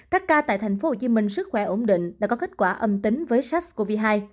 các ca tại tp hcm sức khỏe ổn định đã có kết quả âm tính với sars cov hai